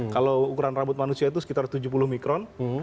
kalau ukuran rambut manusia itu sekitar tujuh puluh mikron